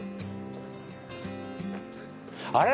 あれ？